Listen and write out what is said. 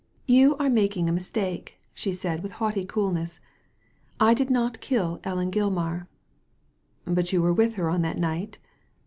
"You are making a mistake I" she said with haughty coolness. " I did not kill Ellen Gilmar." But you were with her on that night?